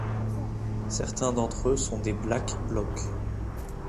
Certains d'entre eux sont des black blocs.